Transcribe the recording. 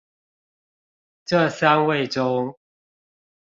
這三位中